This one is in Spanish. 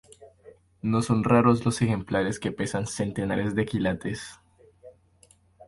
No son raros los ejemplares que pesan centenares de quilates.